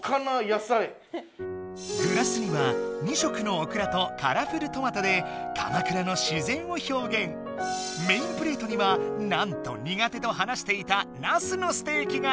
グラスには２色のオクラとカラフルトマトでメインプレートにはなんと苦手と話していたナスのステーキが。